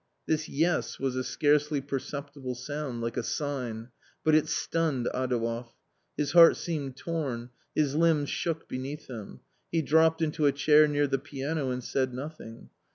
This yes was a scarcely perceptible sound, like a sign, but it stunned Adouev ; his heart seemed torn, his limbs shook beneath him. He dropped into a chair near the piano and said nothing.